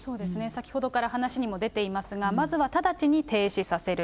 先ほどから話にも出ていましたが、まずは直ちに停止させる。